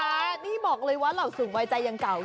อันร่วมให้ลงไวรุ่นท่าน